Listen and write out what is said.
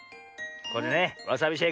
これねわさびシェイク。